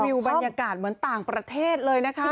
บรรยากาศเหมือนต่างประเทศเลยนะคะ